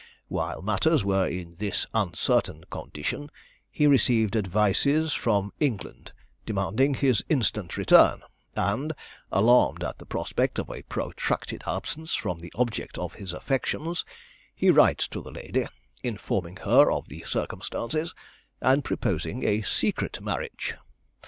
While matters were in this uncertain condition, he received advices from England demanding his instant return, and, alarmed at the prospect of a protracted absence from the object of his affections, he writes to the lady, informing her of the circumstances, and proposing a secret marriage.